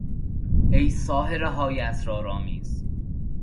ای ساحرههای اسرارآمیز!